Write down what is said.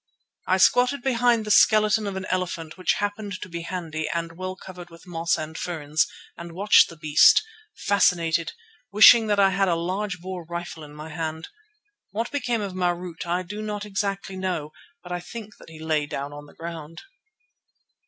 I squatted behind the skeleton of an elephant which happened to be handy and well covered with moss and ferns and watched the beast, fascinated, wishing that I had a large bore rifle in my hand. What became of Marût I do not exactly know, but I think that he lay down on the ground.